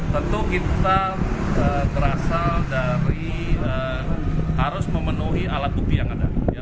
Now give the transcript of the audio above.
tentu kita berasal dari harus memenuhi alat bukti yang ada